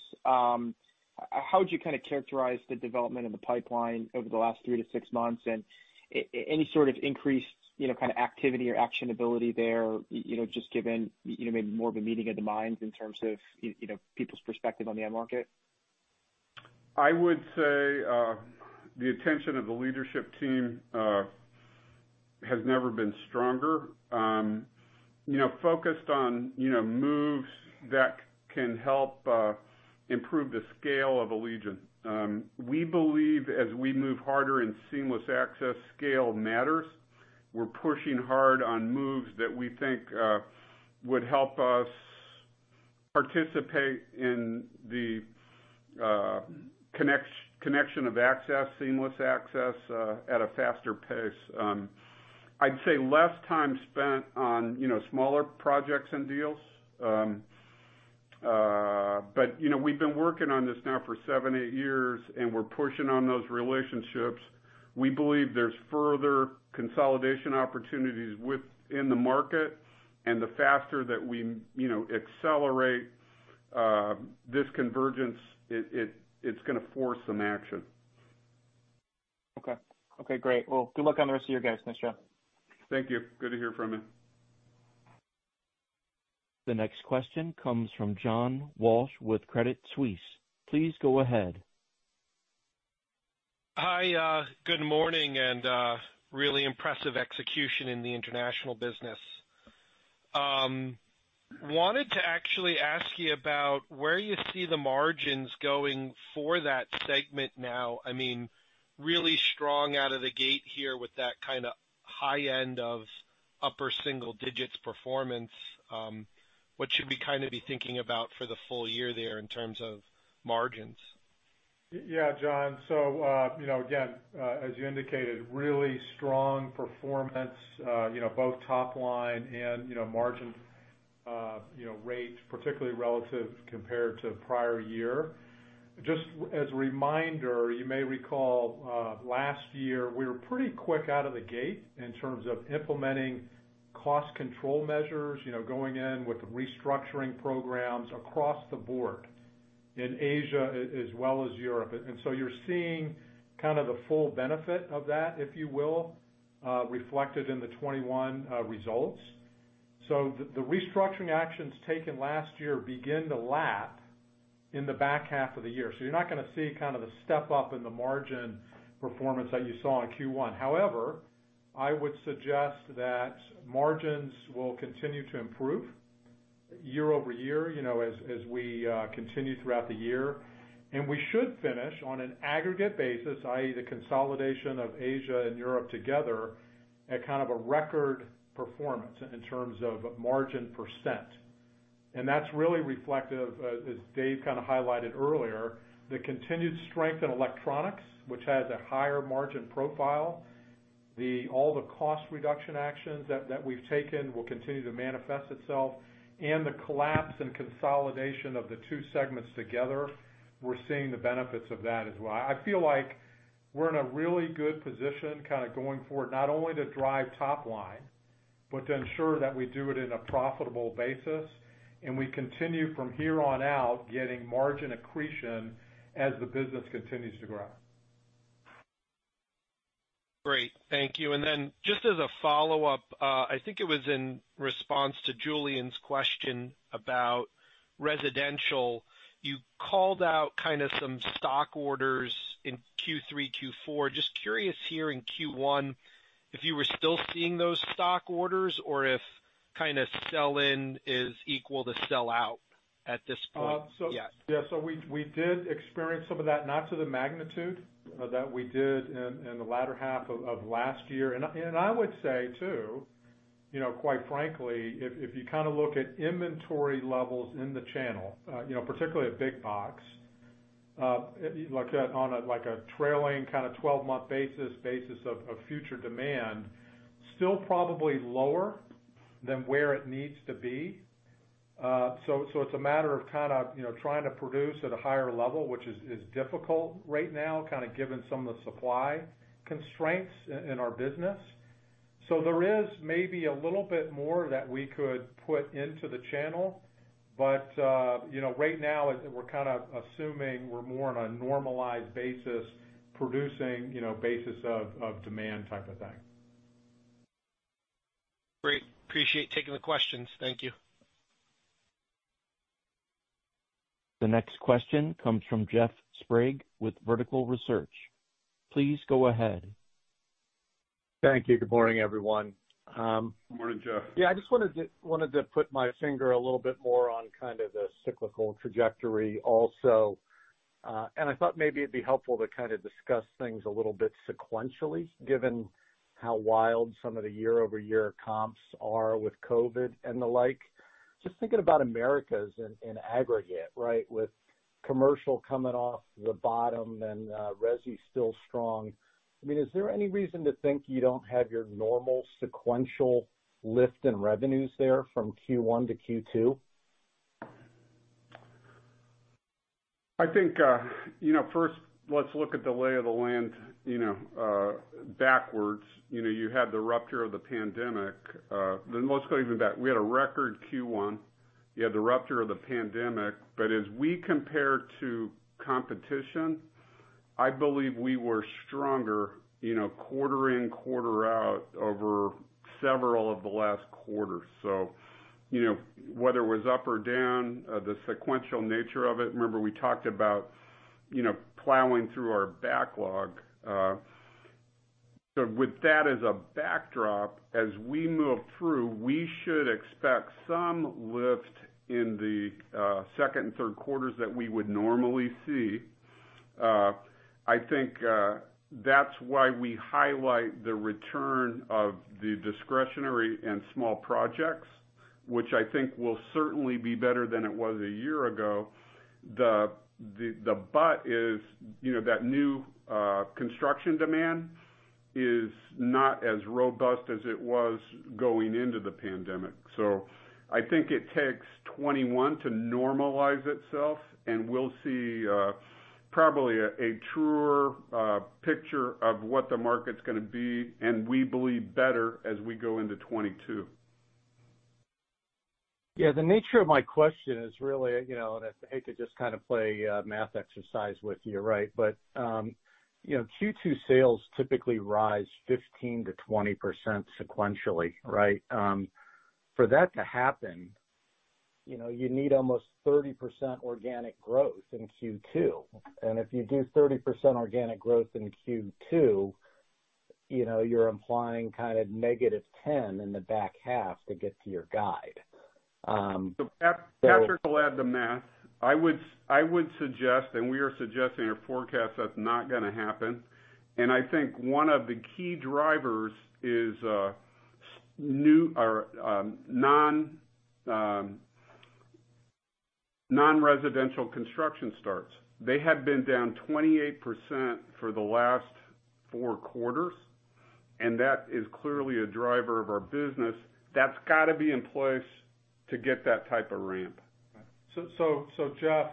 how would you kind of characterize the development of the pipeline over the last three to six months? Any sort of increased kind of activity or actionability there, just given maybe more of a meeting of the minds in terms of people's perspective on the end market? I would say the attention of the leadership team has never been stronger. Focused on moves that can help improve the scale of Allegion. We believe as we move harder in seamless access, scale matters. We're pushing hard on moves that we think would help us participate in the connection of access, seamless access, at a faster pace. I'd say less time spent on smaller projects and deals. We've been working on this now for seven, eight years, and we're pushing on those relationships. We believe there's further consolidation opportunities within the market, and the faster that we accelerate this convergence, it's going to force some action. Okay. Great. Well, good luck on the rest of your guys. Thank you. Good to hear from you. The next question comes from John Walsh with Credit Suisse. Please go ahead. Hi, good morning. Really impressive execution in the international business. Wanted to actually ask you about where you see the margins going for that segment now. Really strong out of the gate here with that kind of high end of upper single digits performance. What should we be thinking about for the full year there in terms of margins? Yeah, John. Again, as you indicated, really strong performance, both top line and margin rates, particularly relative compared to prior year. Just as a reminder, you may recall, last year we were pretty quick out of the gate in terms of implementing cost control measures, going in with restructuring programs across the board in Asia as well as Europe. You're seeing kind of the full benefit of that, if you will, reflected in the 2021 results. The restructuring actions taken last year begin to lap in the back half of the year. You're not going to see kind of the step up in the margin performance that you saw in Q1. However, I would suggest that margins will continue to improve year-over-year, as we continue throughout the year. We should finish on an aggregate basis, i.e., the consolidation of Asia and Europe together, at kind of a record performance in terms of margin percent. That's really reflective, as Dave kind of highlighted earlier, the continued strength in electronics, which has a higher margin profile. All the cost reduction actions that we've taken will continue to manifest itself. The collapse and consolidation of the two segments together, we're seeing the benefits of that as well. I feel like we're in a really good position kind of going forward, not only to drive top line, but to ensure that we do it in a profitable basis, and we continue from here on out getting margin accretion as the business continues to grow. Great. Thank you. Just as a follow-up, I think it was in response to Julian's question about residential. You called out kind of some stock orders in Q3, Q4. Just curious here in Q1, if you were still seeing those stock orders or if kind of sell in is equal to sell out at this point? Yeah. Yeah. We did experience some of that, not to the magnitude that we did in the latter half of last year. I would say too, quite frankly, if you kind of look at inventory levels in the channel, particularly at big box, on a trailing kind of 12-month basis of future demand, still probably lower than where it needs to be. It's a matter of trying to produce at a higher level, which is difficult right now, given some of the supply constraints in our business. There is maybe a little bit more that we could put into the channel, but right now we're assuming we're more on a normalized basis, producing basis of demand type of thing. Great. Appreciate taking the questions. Thank you. The next question comes from Jeff Sprague with Vertical Research. Please go ahead. Thank you. Good morning, everyone. Good morning, Jeff. I just wanted to put my finger a little bit more on kind of the cyclical trajectory also. I thought maybe it'd be helpful to discuss things a little bit sequentially, given how wild some of the year-over-year comps are with COVID and the like. Just thinking about Americas in aggregate. With commercial coming off the bottom and resi still strong, is there any reason to think you don't have your normal sequential lift in revenues there from Q1 to Q2? I think, first, let's look at the lay of the land backwards. You had the rupture of the pandemic. Let's go even back. We had a record Q1. You had the rupture of the pandemic. As we compare to competition, I believe we were stronger quarter in, quarter out over several of the last quarters. Whether it was up or down, the sequential nature of it, remember, we talked about plowing through our backlog. With that as a backdrop, as we move through, we should expect some lift in the second and third quarters that we would normally see. I think that's why we highlight the return of the discretionary and small projects, which I think will certainly be better than it was a year ago. The but is that new construction demand is not as robust as it was going into the pandemic. I think it takes 2021 to normalize itself, and we'll see probably a truer picture of what the market's going to be, and we believe better as we go into 2022. The nature of my question is really, and I hate to just kind of play a math exercise with you. Q2 sales typically rise 15%-20% sequentially. For that to happen, you need almost 30% organic growth in Q2. If you do 30% organic growth in Q2, you're implying kind of -10% in the back half to get to your guide. Patrick will add the math. I would suggest, and we are suggesting in our forecast that's not going to happen. I think one of the key drivers is non-residential construction starts. They have been down 28% for the last four quarters, and that is clearly a driver of our business. That's got to be in place to get that type of ramp. Jeff,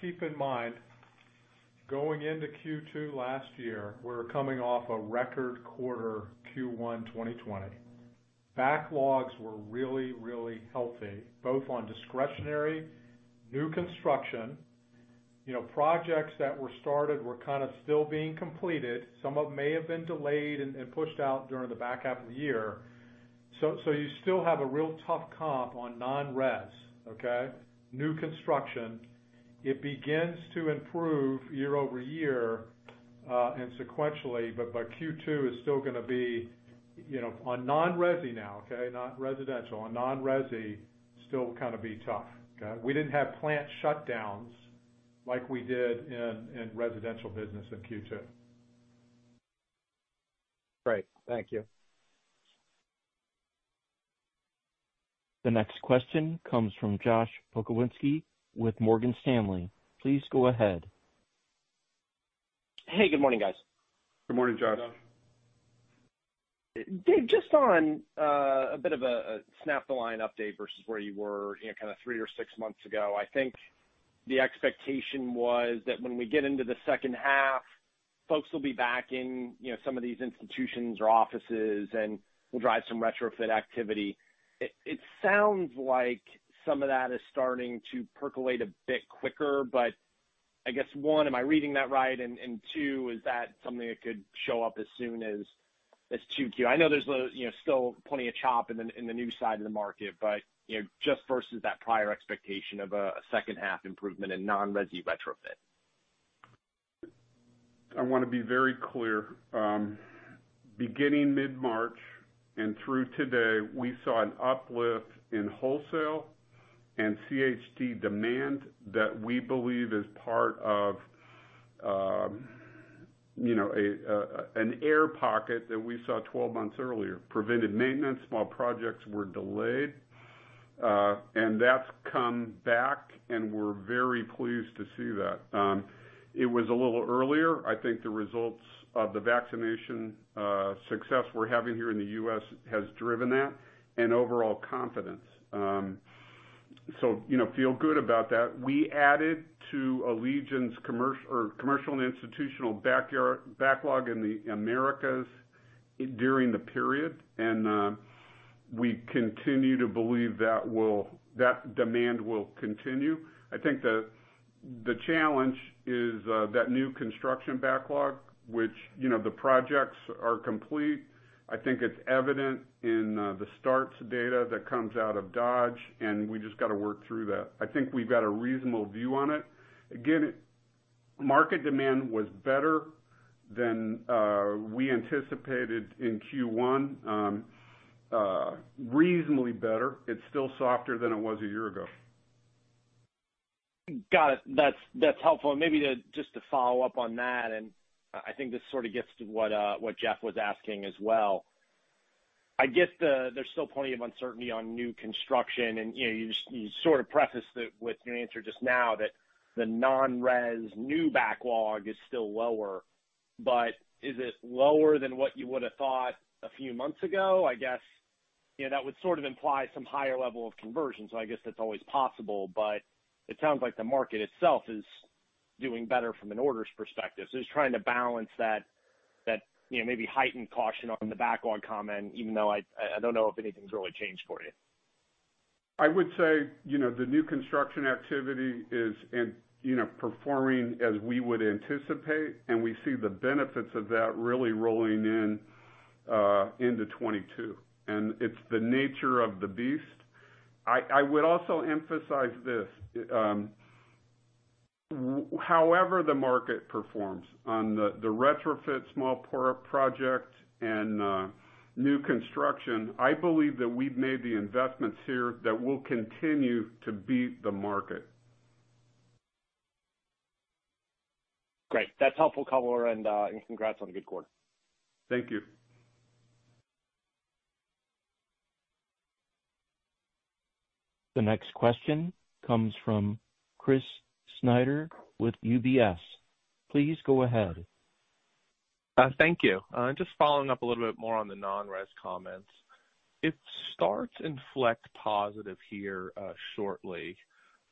keep in mind, going into Q2 last year, we were coming off a record quarter, Q1 2020. Backlogs were really healthy, both on discretionary, new construction. Projects that were started were kind of still being completed. Some of them may have been delayed and pushed out during the back half of the year. You still have a real tough comp on non-res. New construction, it begins to improve year-over-year and sequentially, by Q2 is still going to be on non-resi now. Non-residential. On non-resi, still kind of be tough. We didn't have plant shutdowns like we did in residential business in Q2. Great. Thank you. The next question comes from Joshua Pokrzywinski with Morgan Stanley. Please go ahead. Hey, good morning, guys. Good morning, Josh. Dave, just on a bit of a snap-the-line update versus where you were kind of three or six months ago. I think the expectation was that when we get into the second half, folks will be back in some of these institutions or offices and will drive some retrofit activity. It sounds like some of that is starting to percolate a bit quicker, but I guess, one, am I reading that right? Two, is that something that could show up as soon as 2Q? I know there's still plenty of chop in the new side of the market, but just versus that prior expectation of a second half improvement in non-resi retrofit. I want to be very clear. Beginning mid-March and through today, we saw an uplift in wholesale and CHD demand that we believe is part of an air pocket that we saw 12 months earlier. Preventive maintenance, small projects were delayed. That's come back, and we're very pleased to see that. It was a little earlier. I think the results of the vaccination success we're having here in the U.S. has driven that and overall confidence. Feel good about that. We added to Allegion's commercial and institutional backyard backlog in the Americas during the period. We continue to believe that demand will continue. I think the challenge is that new construction backlog, which the projects are complete. I think it's evident in the starts data that comes out of Dodge. We just got to work through that. I think we've got a reasonable view on it. Market demand was better than we anticipated in Q1, reasonably better. It's still softer than it was a year ago. Got it. That's helpful. Maybe to just to follow up on that, I think this sort of gets to what Jeff was asking as well. I get there's still plenty of uncertainty on new construction, and you sort of prefaced it with your answer just now that the non-res new backlog is still lower, but is it lower than what you would've thought a few months ago? I guess that would sort of imply some higher level of conversion. I guess that's always possible, but it sounds like the market itself is doing better from an orders perspective. Just trying to balance that maybe heightened caution on the backlog comment, even though I don't know if anything's really changed for you. I would say, the new construction activity is performing as we would anticipate, and we see the benefits of that really rolling in into 2022, and it's the nature of the beast. I would also emphasize this. However the market performs on the retrofit small power project and new construction, I believe that we've made the investments here that will continue to beat the market. Great. That's helpful color and congrats on a good quarter. Thank you. The next question comes from Chris Snyder with UBS. Please go ahead. Thank you. Following up a little bit more on the non-res comments. Starts inflect positive here shortly,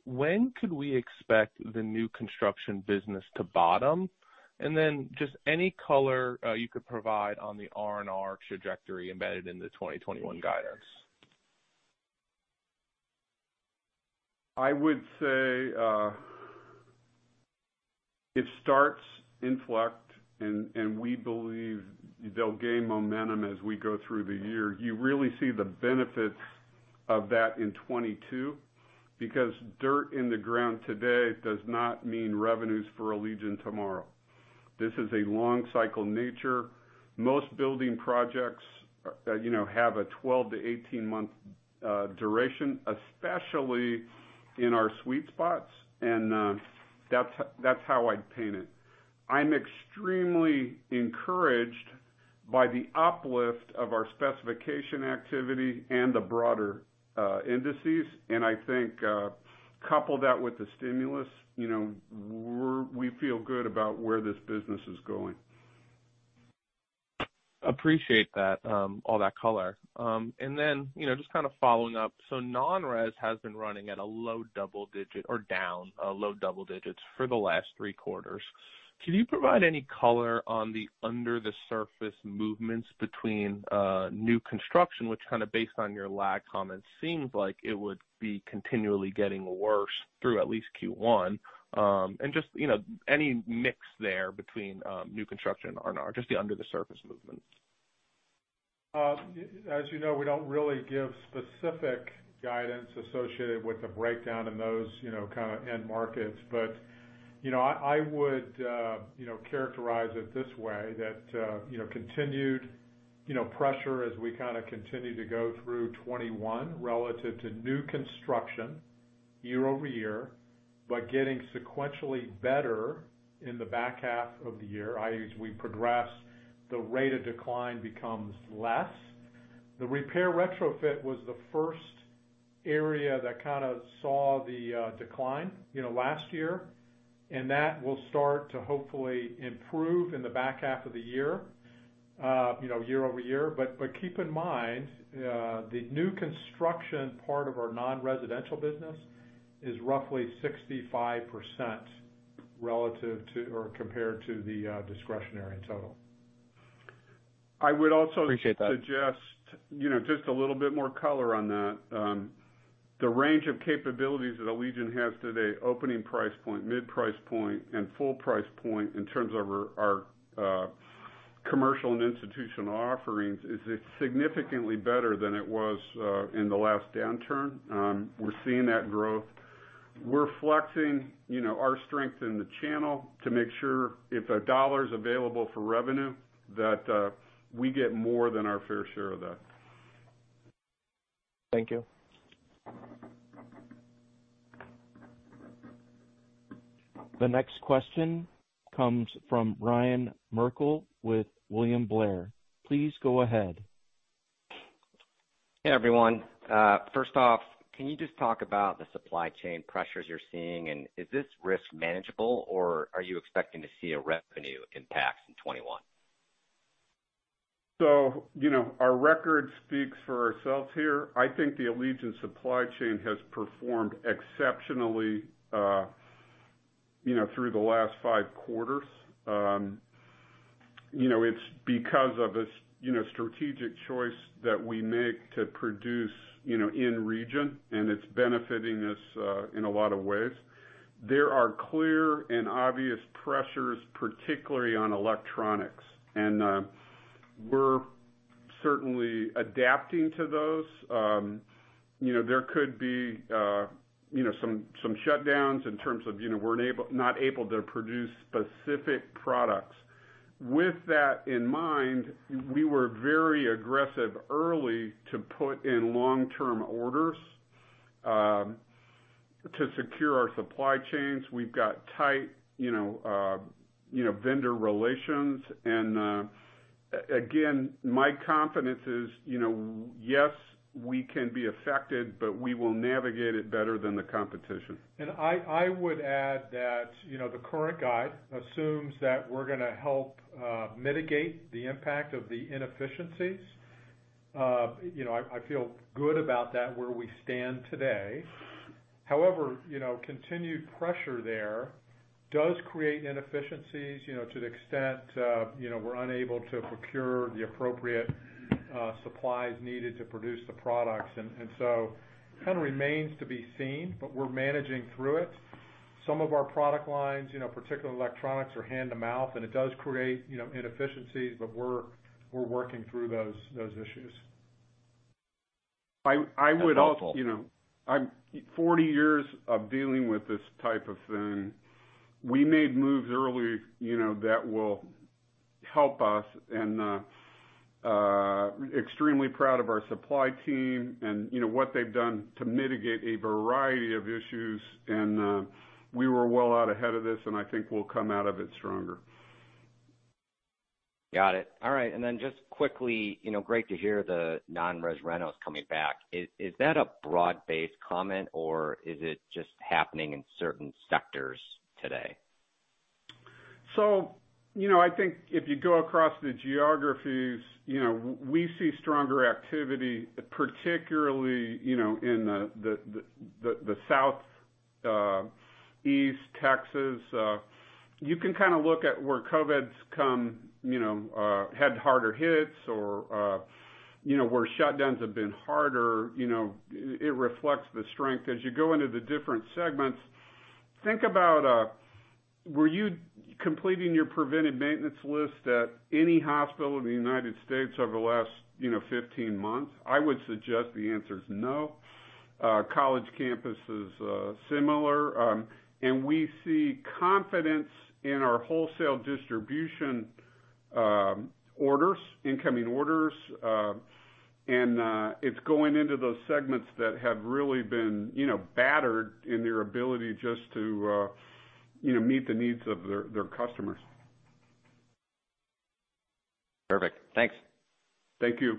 when could we expect the new construction business to bottom? Just any color you could provide on the R&R trajectory embedded in the 2021 guidance. I would say it starts inflect, and we believe they'll gain momentum as we go through the year. You really see the benefits of that in 2022, because dirt in the ground today does not mean revenues for Allegion tomorrow. This is a long cycle nature. Most building projects have a 12- to 18-month duration, especially in our sweet spots. That's how I'd paint it. I'm extremely encouraged by the uplift of our specification activity and the broader indices, and I think couple that with the stimulus, we feel good about where this business is going. Appreciate all that color. Just kind of following up, non-res has been running at a low double-digit or down low double-digits for the last three quarters. Could you provide any color on the under-the-surface movements between new construction, which kind of based on your lag comments, seems like it would be continually getting worse through at least Q1? Just any mix there between new construction and R&R, just the under-the-surface movements? As you know, we don't really give specific guidance associated with the breakdown in those kind of end markets. I would characterize it this way, that continued pressure as we kind of continue to go through 2021 relative to new construction year-over-year, but getting sequentially better in the back half of the year, i.e. as we progress, the rate of decline becomes less. The repair retrofit was the first area that kind of saw the decline last year, that will start to hopefully improve in the back half of the year-over-year. Keep in mind, the new construction part of our non-residential business is roughly 65% compared to the discretionary total. Appreciate that. suggest just a little bit more color on that. The range of capabilities that Allegion has today, opening price point, mid-price point, and full price point in terms of our commercial and institutional offerings, is it's significantly better than it was in the last downturn. We're seeing that growth. We're flexing our strength in the channel to make sure if a dollar's available for revenue, that we get more than our fair share of that. Thank you. The next question comes from Ryan Merkel with William Blair. Please go ahead. Hey, everyone. First off, can you just talk about the supply chain pressures you're seeing, and is this risk manageable, or are you expecting to see a revenue impact in 2021? Our record speaks for ourselves here. I think the Allegion supply chain has performed exceptionally through the last five quarters. It's because of a strategic choice that we make to produce in region, and it's benefiting us in a lot of ways. There are clear and obvious pressures, particularly on electronics, and we're certainly adapting to those. There could be some shutdowns in terms of we're not able to produce specific products. With that in mind, we were very aggressive early to put in long-term orders to secure our supply chains. We've got tight vendor relations. Again, my confidence is, yes, we can be affected, but we will navigate it better than the competition. I would add that the current guide assumes that we're going to help mitigate the impact of the inefficiencies. I feel good about that, where we stand today. However, continued pressure there does create inefficiencies, to the extent we're unable to procure the appropriate supplies needed to produce the products. Kind of remains to be seen, but we're managing through it. Some of our product lines, particular electronics, are hand to mouth, and it does create inefficiencies, but we're working through those issues. 40 years of dealing with this type of thing, we made moves early that will help us and extremely proud of our supply team and what they've done to mitigate a variety of issues. We were well out ahead of this, and I think we'll come out of it stronger. Got it. All right. Just quickly, great to hear the non-res rentals coming back. Is that a broad-based comment or is it just happening in certain sectors today? I think if you go across the geographies, we see stronger activity, particularly in the Southeast Texas. You can kind of look at where COVID's had harder hits or where shutdowns have been harder. It reflects the strength. As you go into the different segments, think about, were you completing your preventive maintenance list at any hospital in the United States over the last 15 months? I would suggest the answer is no. College campuses, similar. We see confidence in our wholesale distribution orders, incoming orders. It's going into those segments that have really been battered in their ability just to meet the needs of their customers. Perfect. Thanks. Thank you.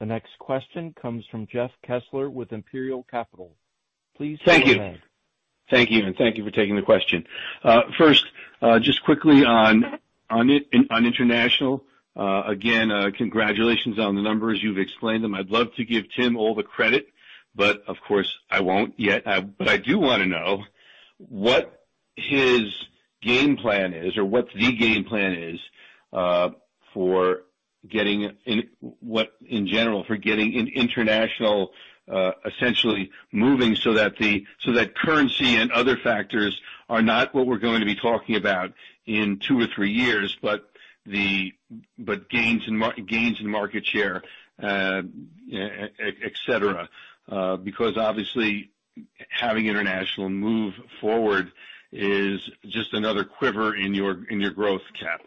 The next question comes from Jeff Kessler with Imperial Capital. Please go ahead. Thank you. Thank you for taking the question. First, just quickly on international. Again, congratulations on the numbers. You've explained them. I'd love to give Tim all the credit, of course I won't yet. I do want to know what his game plan is or what the game plan is in general for getting international, essentially moving so that currency and other factors are not what we're going to be talking about in two or three years, but gains in market share, et cetera. Because obviously having international move forward is just another quiver in your growth cap.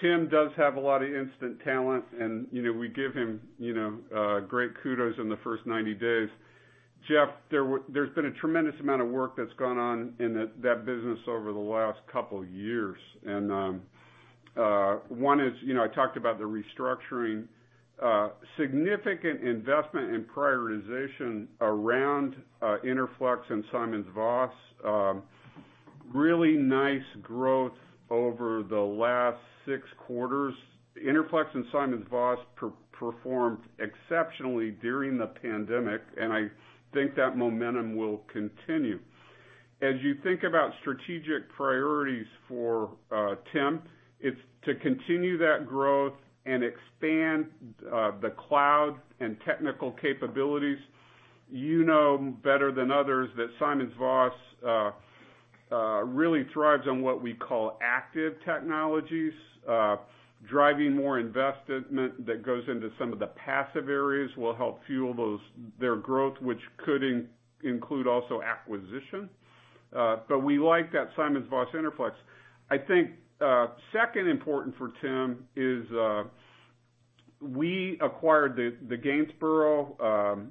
Tim does have a lot of instant talent, and we give him great kudos in the first 90 days. Jeff, there's been a tremendous amount of work that's gone on in that business over the last couple of years. One is, I talked about the restructuring. Significant investment in prioritization around Interflex and SimonsVoss. Really nice growth over the last six quarters. Interflex and SimonsVoss performed exceptionally during the pandemic, and I think that momentum will continue. As you think about strategic priorities for Tim, it's to continue that growth and expand the cloud and technical capabilities. You know better than others that SimonsVoss really thrives on what we call active technologies. Driving more investment that goes into some of the passive areas will help fuel their growth, which could include also acquisition. We like that SimonsVoss Interflex. I think second important for Tim is we acquired the Gainsborough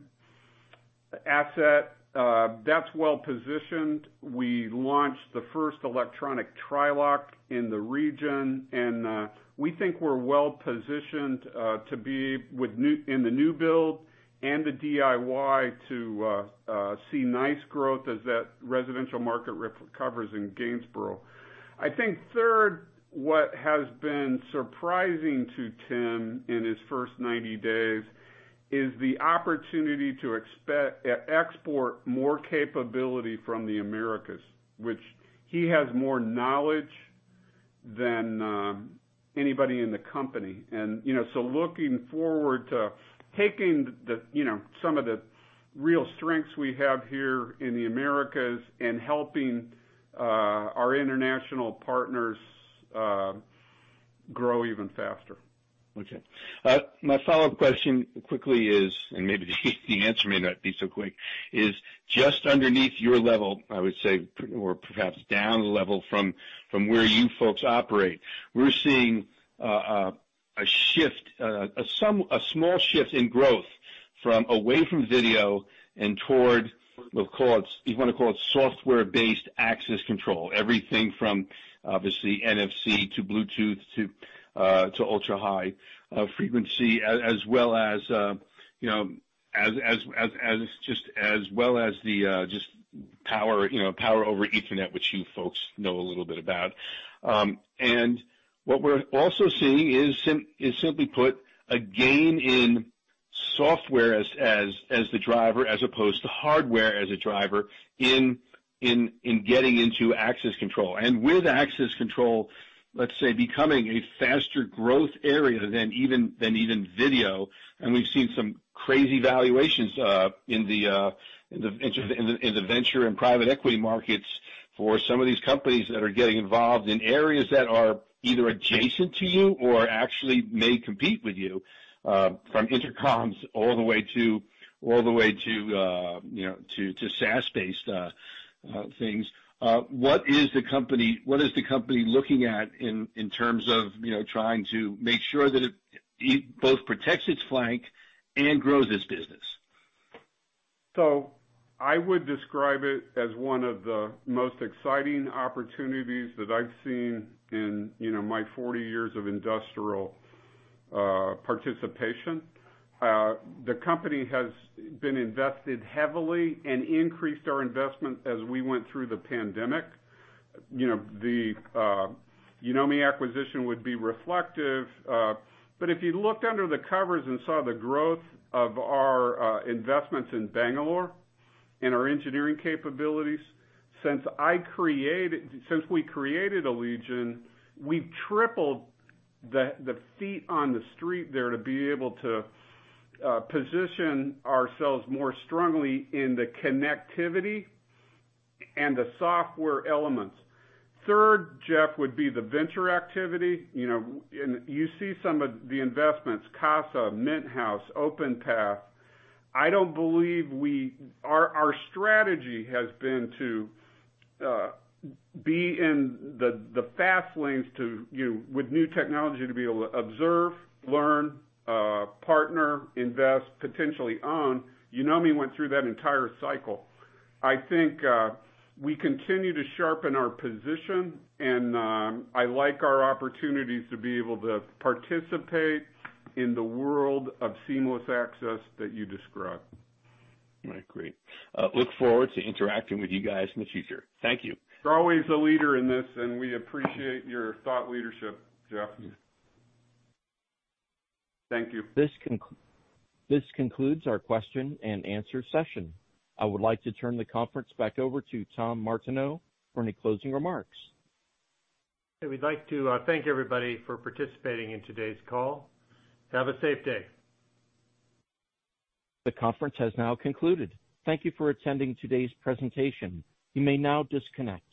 asset, that's well-positioned. We launched the first electronic Trilock in the region. We think we're well-positioned to be in the new build and the DIY to see nice growth as that residential market recovers in Gainsborough. I think third, what has been surprising to Tim in his first 90 days is the opportunity to export more capability from the Americas, which he has more knowledge than anybody in the company. Looking forward to taking some of the real strengths we have here in the Americas and helping our international partners grow even faster. Okay. My follow-up question quickly is, and maybe the answer may not be so quick, is just underneath your level, I would say, or perhaps down a level from where you folks operate, we're seeing a small shift in growth from away from video and toward, you want to call it software-based access control. Everything from obviously NFC to Bluetooth to ultra-high frequency, as well as just Power over Ethernet, which you folks know a little bit about. What we're also seeing is, simply put, a gain in software as the driver as opposed to hardware as a driver in getting into access control. With access control, let's say, becoming a faster growth area than even video, and we've seen some crazy valuations in the venture and private equity markets for some of these companies that are getting involved in areas that are either adjacent to you or actually may compete with you, from intercoms all the way to SaaS-based things. What is the company looking at in terms of trying to make sure that it both protects its flank and grows its business? I would describe it as one of the most exciting opportunities that I've seen in my 40 years of industrial participation. The company has been invested heavily and increased our investment as we went through the pandemic. The Yonomi acquisition would be reflective, but if you looked under the covers and saw the growth of our investments in Bangalore and our engineering capabilities, since we created Allegion, we've tripled the feet on the street there to be able to position ourselves more strongly in the connectivity and the software elements. Third, Jeff, would be the venture activity. You see some of the investments, Kasa, Mint House, Openpath. Our strategy has been to be in the fast lanes with new technology to be able to observe, learn, partner, invest, potentially own. Yonomi went through that entire cycle. I think we continue to sharpen our position, and I like our opportunities to be able to participate in the world of seamless access that you describe. I agree. Look forward to interacting with you guys in the future. Thank you. You're always a leader in this, and we appreciate your thought leadership, Jeff. Thank you. This concludes our question and answer session. I would like to turn the conference back over to Tom Martineau for any closing remarks. We'd like to thank everybody for participating in today's call. Have a safe day. The conference has now concluded. Thank you for attending today's presentation. You may now disconnect.